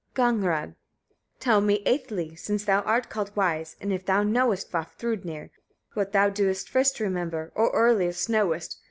Gagnrâd. 34. Tell me eighthly, since thou art called wise, and if thou knowest, Vafthrûdnir! what thou doest first remember, or earliest knowest?